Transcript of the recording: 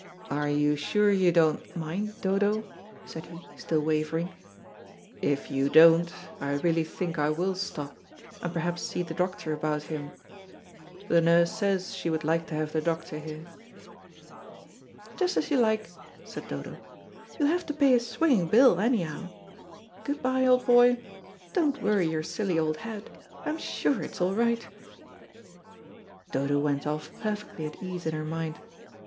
"Are you sure you don't mind, Dodo?" said he, still wavering. "If you don't, I really think I will stop, and perhaps see the doctor about him. The nurse says she would like to have the doctor here." "Just as you like," said Dodo. "You'll have to pay a swinging bill anyhow. Good bye, old boy. Don't worry your silly old head. I'm sure it's all right." Dodo went off perfectly at ease in her mind.